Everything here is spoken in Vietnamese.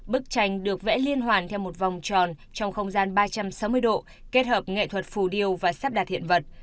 bức tranh được vẽ liên hoàn theo một vòng tròn trong không gian ba trăm sáu mươi độ kết hợp nghệ thuật phù điêu và sắp đặt hiện vật